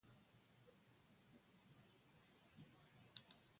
آیا او د نړۍ ښکلا نه دي؟